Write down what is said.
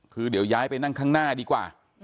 คือเดี๋ยวย้ายไปนั่งข้างหน้าดีกว่า